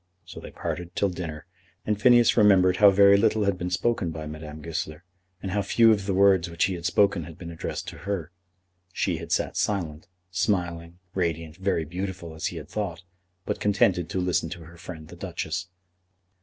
So they parted till dinner, and Phineas remembered how very little had been spoken by Madame Goesler, and how few of the words which he had spoken had been addressed to her. She had sat silent, smiling, radiant, very beautiful as he had thought, but contented to listen to her friend the Duchess.